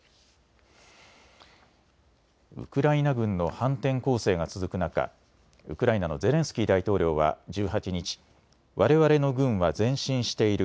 ウクライナ軍の反転攻勢が続く中、ウクライナのゼレンスキー大統領は１８日、われわれの軍は前進している。